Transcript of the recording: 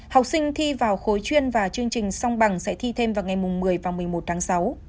học sinh thi vào khối chuyên và chương trình song bằng sẽ thi thêm vào ngày một mươi và một mươi một tháng sáu